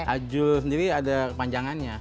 ajul sendiri ada panjangannya